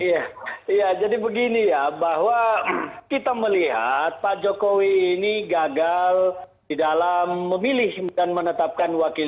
iya jadi begini ya bahwa kita melihat pak jokowi ini gagal di dalam memilih dan menetapkan wakil